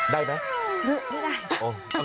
ได้ไหมไม่ได้